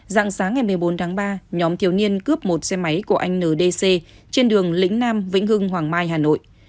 dạng sáng ngày một mươi bốn tháng ba nhóm thiếu niên cướp một xe máy của anh ndc trên đường lĩnh nam vĩnh hưng hoàng mai hà nội